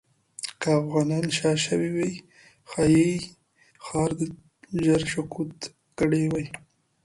که افغانان شا شوې وای، ښایي ښار ژر سقوط کړی وای.